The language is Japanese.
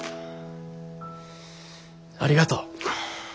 ありがとう。